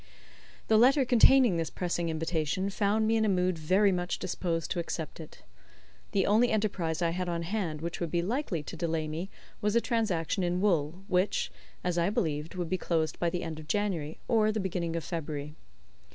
The letter containing this pressing invitation found me in a mood very much disposed to accept it. The only enterprise I had on hand which would be likely to delay me was a transaction in wool, which, as I believed, would be closed by the end of January or the beginning of February.